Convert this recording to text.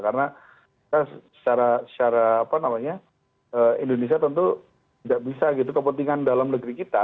karena secara indonesia tentu tidak bisa gitu kepentingan dalam negeri kita